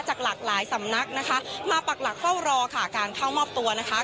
หลากหลายสำนักนะคะมาปักหลักเฝ้ารอค่ะการเข้ามอบตัวนะคะ